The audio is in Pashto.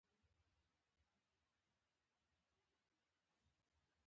سومریانو مختلف کانالونه او کورونه هم جوړ کړي وو.